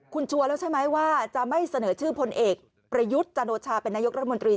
คุณชัวร์แล้วใช่ไหมว่าจะไม่เสนอชื่อพลเอกประยุทธ์จันโอชาเป็นนายกรัฐมนตรี